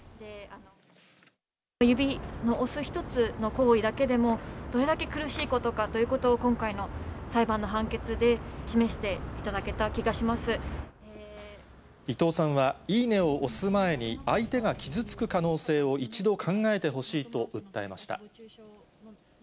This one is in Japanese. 指を押す一つの行為だけでも、どれだけ苦しいことかということを、今回の裁判の判決で示してい伊藤さんは、いいねを押す前に、相手が傷つく可能性を一度考えてほしいと訴えました。